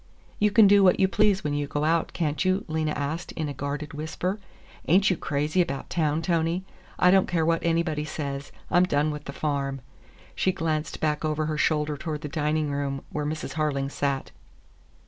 "You can do what you please when you go out, can't you?" Lena asked in a guarded whisper. "Ain't you crazy about town, Tony? I don't care what anybody says, I'm done with the farm!" She glanced back over her shoulder toward the dining room, where Mrs. Harling sat.